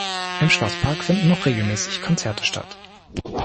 Im Schlosspark finden noch regelmäßig Konzerte statt.